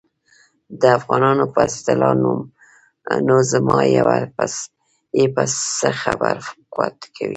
د افغانانو په اصطلاح نو زما یې په څه خبره قوت کوي.